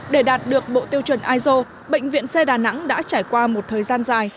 để đạt được bộ tiêu chuẩn iso bệnh viện xe đà nẵng đã trải qua một thời gian dài